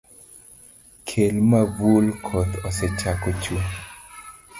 Kel mavul koth osechako chue.